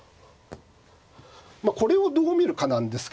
まあこれをどう見るかなんですけどもね。